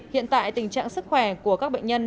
hiện tại tình trạng sức khỏe của các bệnh nhân